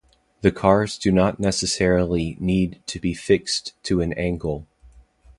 The cars do not necessarily need to be fixed to an angle.